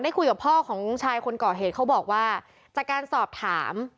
คุยกับพ่อของชายคนก่อเหตุเขาบอกว่าจากการสอบถาม